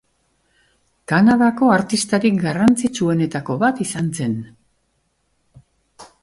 Kanadako artistarik garrantzitsuenetako bat izan zen.